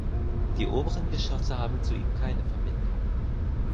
Die oberen Geschosse haben zu ihm keine Verbindung.